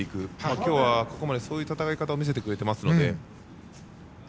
今日はここまでそういう戦い方を見せてくれていますので。